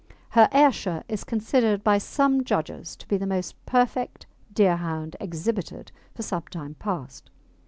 Her Ayrshire is considered by some judges to be the most perfect Deerhound exhibited for some time past.